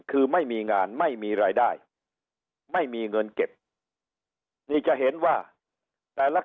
คือไม่มีงานไม่มีรายได้ไม่มีเงินเก็บนี่จะเห็นว่าแต่ละ